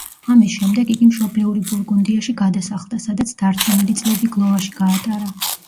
ამის შემდეგ იგი მშობლიური ბურგუნდიაში გადასახლდა, სადაც დარჩენილი წლები გლოვაში გაატარა.